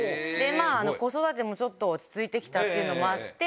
子育てもちょっと落ち着いてきたっていうのもあって。